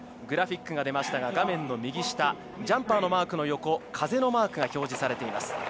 グラフィックが出ましたが画面の右下ジャンパーのマークの横風のマークが表示されています。